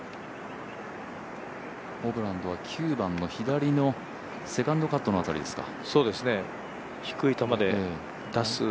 ホブランドは９番の左のセカンドカットの辺りですか。